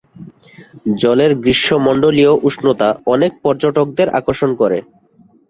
জলের গ্রীষ্মমন্ডলীয় উষ্ণতা অনেক পর্যটকদের আকর্ষণ করে।